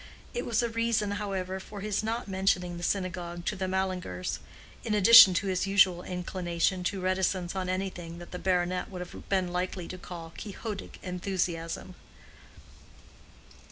It was a reason, however, for his not mentioning the synagogue to the Mallingers—in addition to his usual inclination to reticence on anything that the baronet would have been likely to call Quixotic enthusiasm.